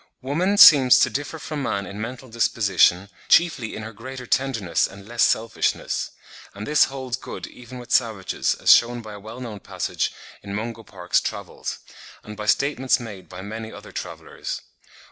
Woman seems to differ from man in mental disposition, chiefly in her greater tenderness and less selfishness; and this holds good even with savages, as shewn by a well known passage in Mungo Park's Travels, and by statements made by many other travellers.